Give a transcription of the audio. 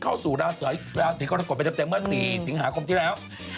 เข้าสู่ลาสีก็จะกดไปเต็มเมื่อสี่สิงฮาคมที่แล้ว